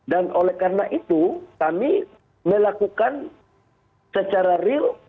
dan oleh karena itu kami melakukan secara real